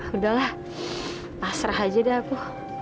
udah lah pasrah aja deh aku